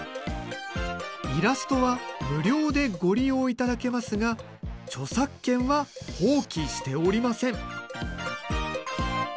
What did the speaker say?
「イラストは無料でご利用いただけますが著作権は放棄しておりません」。